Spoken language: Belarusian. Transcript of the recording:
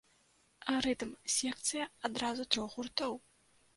Рытм-секцыя адразу трох гуртоў!